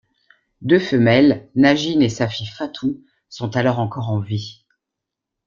Deux femelles, Najin et sa fille Fatu, sont alors encore en vie.